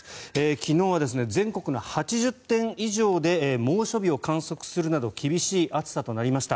昨日は全国の８０点以上で猛暑日を観測するなど厳しい暑さとなりました。